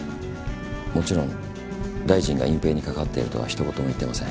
もちろん大臣が隠蔽に関わっているとはひと言も言ってません。